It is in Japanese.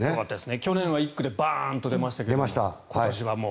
去年は１区でバーンと出ましたが今年はもう。